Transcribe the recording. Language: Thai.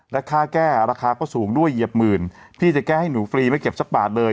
และค่าแก้ราคาก็สูงด้วยเหยียบหมื่นพี่จะแก้ให้หนูฟรีไม่เก็บสักบาทเลย